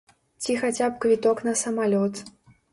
Ці хаця б квіток на самалёт.